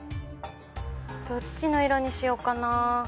どっちの色にしようかなぁ。